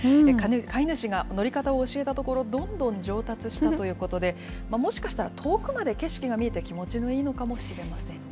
飼い主が乗り方を教えたところ、どんどん上達したということで、もしかしたら遠くまで景色が見えて気持ちがいいのかもしれませんね。